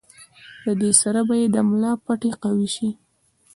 د دې سره به ئې د ملا پټې قوي شي